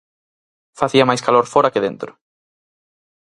Facía máis calor fóra que dentro.